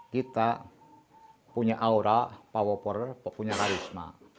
kita punya aura power pornor punya karisma